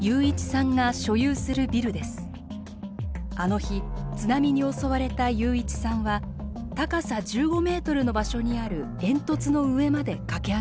あの日津波に襲われた祐一さんは高さ１５ｍの場所にある煙突の上まで駆け上がりました。